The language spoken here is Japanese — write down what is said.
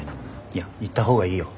いや行った方がいいよ。